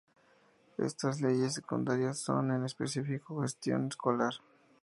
Estas leyes secundarias son en especifico: Gestión escolar.